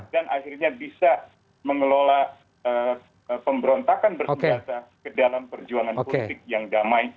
dan akhirnya bisa mengelola pemberontakan bersenjata ke dalam perjuangan politik yang damai